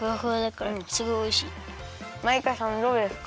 マイカさんどうですか？